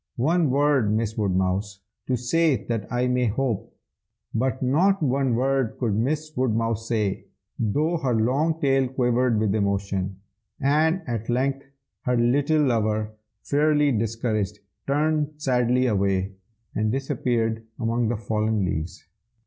One word, Miss Woodmouse, to say that I may hope!' But not one word could Miss Woodmouse say, though her long tail quivered with emotion; and at length her little lover, fairly discouraged, turned sadly away, and disappeared among the fallen leaves.